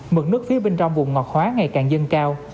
mực nước phía bên trong vùng ngọt hóa ngày càng dâng cao